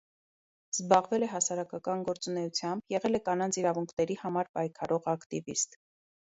Զբաղվել է հասարակական գործունեությամբ, եղել է կանանց իրավունքների համար պայքարող ակտիվիստ։